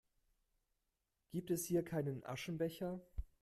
Gibt es hier keinen Aschenbecher?